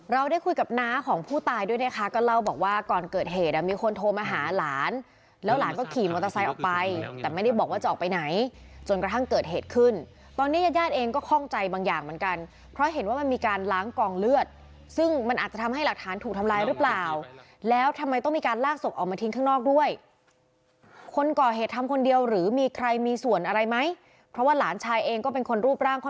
เราได้คุยกับน้าของผู้ตายด้วยนะคะก็เล่าบอกว่าก่อนเกิดเหตุมีคนโทรมาหาหลานแล้วหลานก็ขี่มอเตอร์ไซค์ออกไปแต่ไม่ได้บอกว่าจะออกไปไหนจนกระทั่งเกิดเหตุขึ้นตอนนี้ญาติเองก็คล่องใจบางอย่างเหมือนกันเพราะเห็นว่ามันมีการล้างกองเลือดซึ่งมันอาจจะทำให้หลักฐานถูกทำลายหรือเปล่าแล้วทำไมต้องมีการลากศพออกมาท